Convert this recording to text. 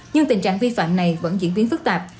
nhưng tình trạng vi phạm này vẫn diễn biến phức tạp